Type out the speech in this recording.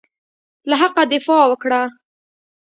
له حقه دفاع وکړه.